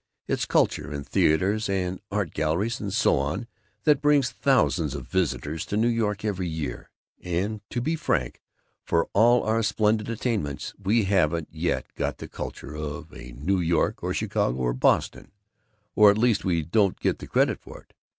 It's Culture, in theaters and art galleries and so on, that brings thousands of visitors to New York every year and, to be frank, for all our splendid attainments we haven't yet got the Culture of a New York or Chicago or Boston or at least we don't get the credit for it.